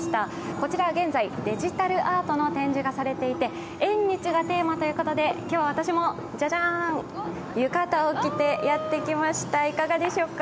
こちら、現在、デジタルアートの展示がされていて、縁日がテーマということで今日は私もジャジャーン浴衣を着てやってきました、いかがでしょうか。